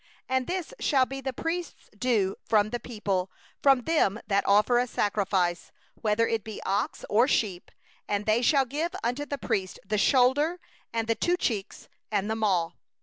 3And this shall be the priests'due from the people, from them that offer a sacrifice, whether it be ox or sheep, that they shall give unto the priest the shoulder, and the two cheeks, and the maw.